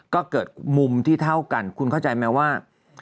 ก็เกิดมุมที่เท่ากันคุณเข้าใจไหมว่า